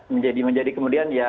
menjadi menjadi kemudian ya